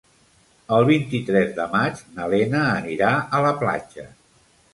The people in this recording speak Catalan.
El vint-i-tres de maig na Lena anirà a la platja.